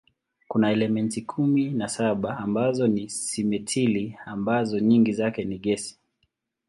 Kuna elementi kumi na saba ambazo ni simetili ambazo nyingi zake ni gesi.